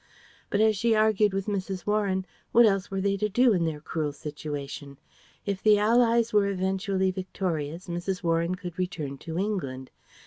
But as she argued with Mrs. Warren, what else were they to do in their cruel situation? If the Allies were eventually victorious, Mrs. Warren could return to England.